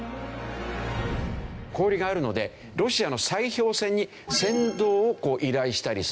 氷があるのでロシアの砕氷船に先導を依頼したりする。